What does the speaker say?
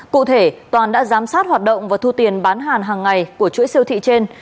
cụ thể toàn đã giám sát hoạt động và thu tiền bán hàng ngày của chuỗi siêu thị trên